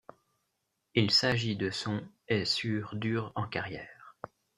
Il rs'agit de son et sur dur en carrière.